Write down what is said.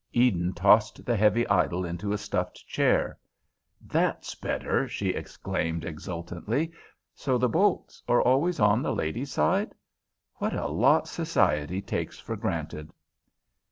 Eden tossed the heavy idol into a stuffed chair. "That's better," she exclaimed exultantly. "So the bolts are always on the lady's side? What a lot society takes for granted!"